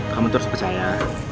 kamu tuh harus percaya